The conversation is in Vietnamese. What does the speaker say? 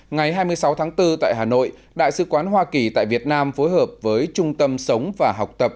ngày hai mươi sáu tháng bốn tại hà nội đại sứ quán hoa kỳ tại việt nam phối hợp với trung tâm sống và học tập